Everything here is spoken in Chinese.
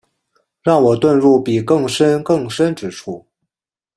让我遁入比更深更深之处